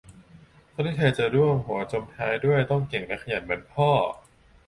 คนที่เธอจะร่วมหัวจมท้ายด้วยต้องเก่งและขยันเหมือนพ่อ